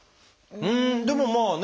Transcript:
うんでもまあね。